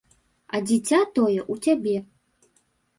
А дзіця тое ў цябе!